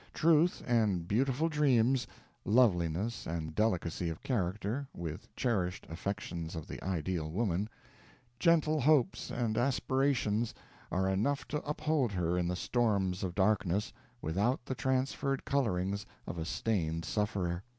Truth, and beautiful dreams loveliness, and delicacy of character, with cherished affections of the ideal woman gentle hopes and aspirations, are enough to uphold her in the storms of darkness, without the transferred colorings of a stained sufferer.